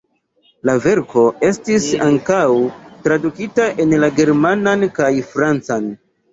La verko estis ankaŭ tradukita en la germanan kaj francan.